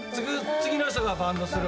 次の人がバントする。